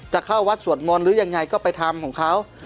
จะเข้าวัดสวดมนต์หรือยังไงก็ไปทำของเขา